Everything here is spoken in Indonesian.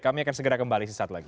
kami akan segera kembali sesaat lagi